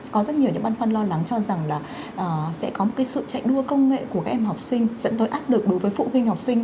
có rất nhiều những băn khoăn lo lắng cho rằng là sẽ có một cái sự chạy đua công nghệ của các em học sinh dẫn tới áp lực đối với phụ huynh học sinh